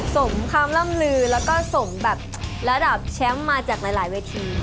สมความล่ำลือแล้วก็สมแบบระดับแชมป์มาจากหลายเวที